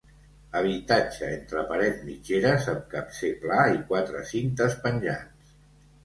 Habitatge entre parets mitgeres amb capcer pla i quatre cintes penjants.